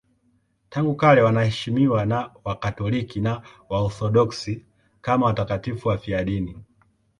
Tangu kale wanaheshimiwa na Wakatoliki na Waorthodoksi kama watakatifu wafiadini.